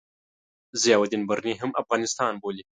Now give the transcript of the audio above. ضیاألدین برني هم افغانستان بولي.